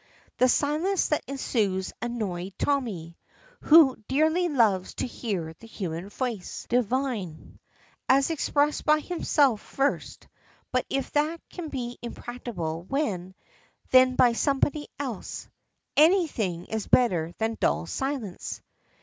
The silence that ensues annoys Tommy, who dearly loves to hear the human voice divine. As expressed by himself first, but if that be impracticable, well, then by somebody else. Anything is better than dull silence.